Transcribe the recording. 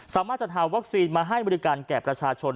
สามารถจัดหาวัคซีนมาให้บริการแก่ประชาชน